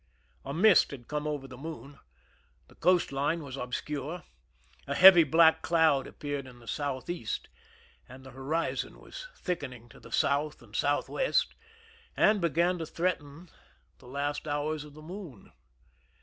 A mist had come over the moon. The coast line was obscure. A heavy black cloud appeared in the southeast, and the horizon was thickening to the south and southwest, and began to threaten the last hours of the moon.